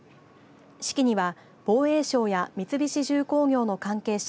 式には防衛省や三菱重工業の関係者